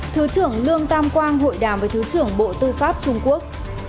thứ trưởng lương tam quang hội đàm với thứ trưởng bộ tư pháp trung quốc